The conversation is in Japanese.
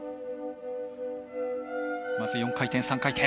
まず４回転３回転。